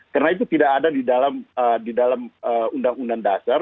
karena itu tidak ada di dalam undang undang dasar